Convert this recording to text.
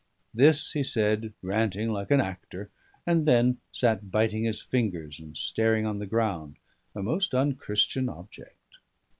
This he said ranting like an actor; and then sat biting his fingers and staring on the ground, a most unchristian object.